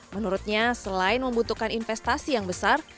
menurutnya selain membutuhkan investasi yang besar